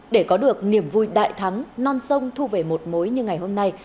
để có được niềm vui đại thắng non sông thu về một mối như ngày hôm nay